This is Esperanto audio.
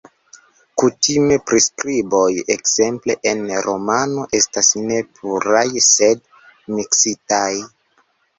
Kutime priskriboj, ekzemple en romano, estas ne puraj sed miksitaj.